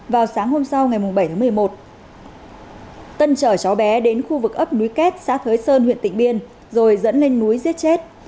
vào sáng hôm sau ngày bảy tháng một mươi một tân chở cháu bé đến khu vực ấp núi kết xã thới sơn huyện tịnh biên rồi dẫn lên núi giết chết